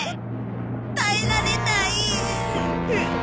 耐えられない！